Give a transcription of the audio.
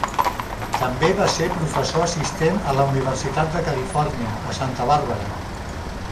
També va ser professor assistent a la Universitat de Califòrnia, a Santa Bàrbara.